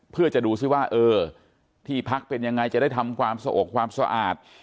เพื่อจะดูซิว่าเออที่พักเป็นยังไงจะได้ทำความสะอกความสะอาด